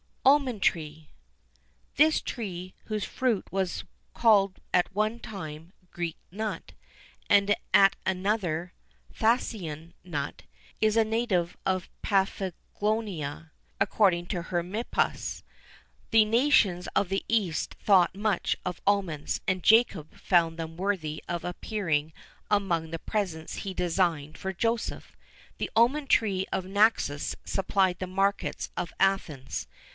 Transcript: ALMOND TREE. This tree, whose fruit was called at one time "Greek Nut," and, at another, "Thasian Nut,"[XIV 1] is a native of Paphlagonia, according to Hermippus.[XIV 2] The nations of the east thought much of almonds, and Jacob found them worthy of appearing among the presents he designed for Joseph.[XIV 3] The almond tree of Naxos supplied the markets of Athens.